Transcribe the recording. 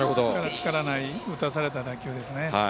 力のない打たされた打球ですね。